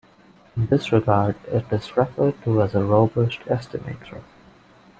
In this regard it is referred to as a robust estimator.